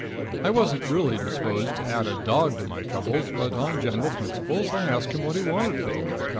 I wasn't really disposed to add a dog to my troubles, but on general principles I asked him what he wanted for the little cuss.